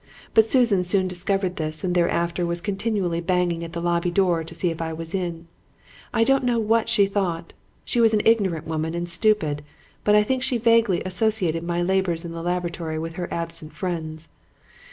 But Susan soon discovered this and thereafter was continually banging at the lobby door to see if I was in. I don't know what she thought. She was an ignorant woman and stupid, but I think she vaguely associated my labors in the laboratory with her absent friends.